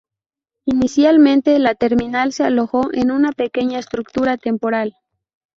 Inicialmente, la terminal se alojó en una pequeña estructura temporal.